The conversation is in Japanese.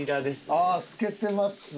ああ透けてますね。